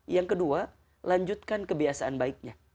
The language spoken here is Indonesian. yang kedua lanjutkan kebiasaan baiknya